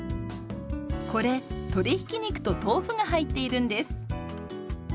これ鶏ひき肉と豆腐が入っているんです。